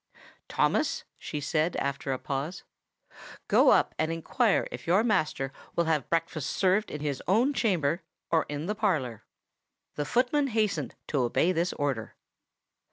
"Thomas," she said, after a pause, "go up and inquire if your master will have breakfast served in his own chamber, or in the parlour." The footman hastened to obey this order.